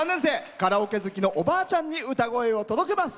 カラオケ好きのおばあちゃんに歌声を届けます。